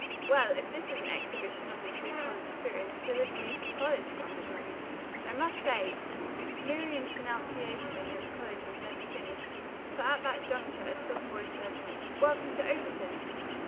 "Well, if this is an exhibition of the true college spirit, deliver me from college," grumbled Miriam. "I must say " Miriam's denunciation against college was never finished, for at that juncture a soft voice said, "Welcome to Overton."